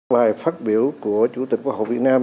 bài phát biểu của chủ tịch quốc hội việt nam